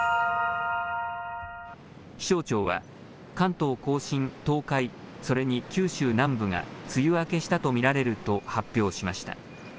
気象庁は関東甲信、東海、それに九州南部が梅雨明けしたと見られると発表しました。